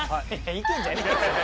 意見じゃねえから。